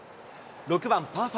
６番パー５。